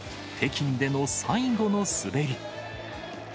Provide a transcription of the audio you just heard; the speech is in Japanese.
北京での最後の滑り。